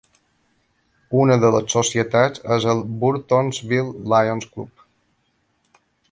Una de les societats és el Burtonsville Lions Club.